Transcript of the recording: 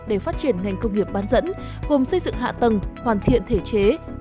để phát triển ngành công nghiệp bán dẫn gồm xây dựng hạ tầng hoàn thiện thể chế